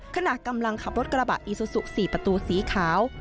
ขณะกำลังขับรถกระบะอีซูซู๔ประตูสีขาว